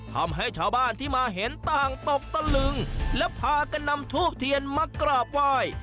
ทำให้ชาวบ้านที่มาเห็นต่างตกตะลึงและพากันนำทูบเทียนมากราบไหว้